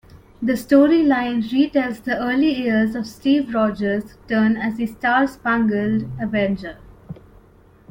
The storyline re-tells the early years of Steve Rogers' turn as the Star-Spangled Avenger.